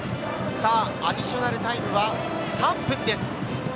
アディショナルタイムは３分です。